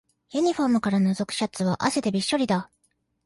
ユニフォームからのぞくシャツは汗でびっしょりだ